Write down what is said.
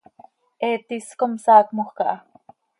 He tis com saacmoj caha.